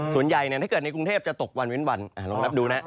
ถ้าเกิดในกรุงเทพจะตกวันเว้นวันลองนับดูนะ